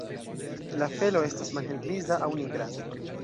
La felo estas malhelgriza aŭ nigra.